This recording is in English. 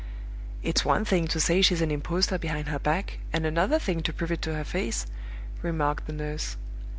"It's one thing to say she's an impostor behind her back, and another thing to prove it to her face," remarked the nurse.